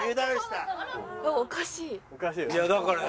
いやだから。